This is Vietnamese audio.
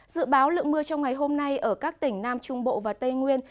dự báo lượng mưa trong ngày hôm nay ở các tỉnh nam trung bộ và tây nguyên